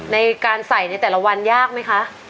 ในการใส่ในแต่ละวันยากไหมคะ